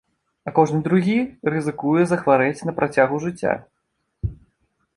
А кожны другі рызыкуе захварэць на працягу жыцця.